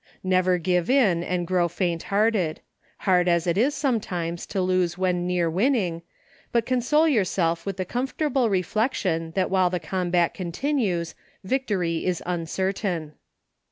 Never give in and grow faint hearted — hard as it sometimes is to lose when near winning — but console yourself with the comfortable reflection that while the combat continues victory is uncertain.